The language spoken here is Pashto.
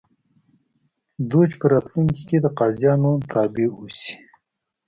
دوج په راتلونکي کې د قاضیانو تابع اوسي